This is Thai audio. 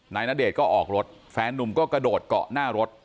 ณเดชน์ก็ออกรถแฟนนุ่มก็กระโดดเกาะหน้ารถ